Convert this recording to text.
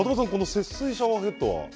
節水シャワーヘッドは？